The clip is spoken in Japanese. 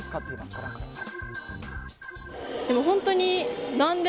ご覧ください。